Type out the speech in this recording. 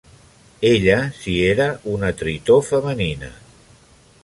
Ella, si era una Tritó femenina.